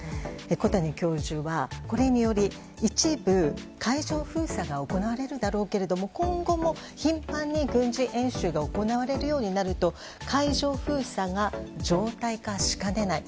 小谷教授はこれにより一部海上封鎖が行われるだろうけど今後も頻繁に軍事演習が行われるようになると海上封鎖が常態化しかねない。